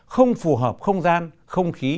không phù hợp không gian không khí